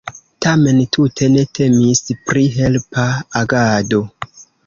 Tamen tute ne temis pri helpa agado.